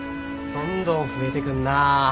どんどん増えてくんなぁ。